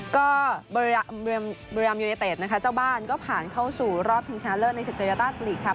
ก็บริยามยูเนตเตตนะคะเจ้าบ้านก็ผ่านเข้าสู่รอบถึงชนะเลิศในสิกเตอร์ยัตราสลิกครับ